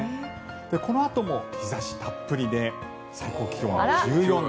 このあとも日差したっぷりで最高気温１４度。